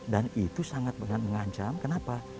dan itu sangat mengancam kenapa